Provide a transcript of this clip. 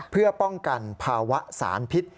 เพื่อป้องกันภาวะสารพิษ